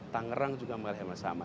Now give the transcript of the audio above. tangerang juga mengalami hal yang sama